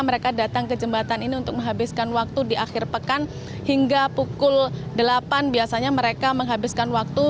mereka datang ke jembatan ini untuk menghabiskan waktu di akhir pekan hingga pukul delapan biasanya mereka menghabiskan waktu